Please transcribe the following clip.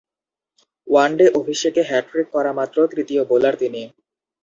One day অভিষেকে hat trick করা মাত্র তৃতীয় বোলার তিনি।